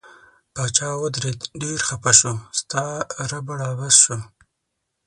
پاچا واوریده ډیر خپه شو ستا ربړ عبث شو.